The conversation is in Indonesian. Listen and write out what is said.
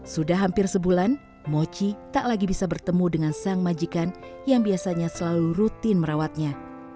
sudah hampir sebulan moci tak lagi bisa bertemu dengan sang majikan yang biasanya selalu rutin merawatnya